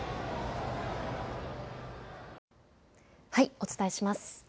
お伝えします。